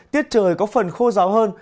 tiết trời có phần khô rào hơn